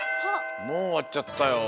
もうおわっちゃったよ。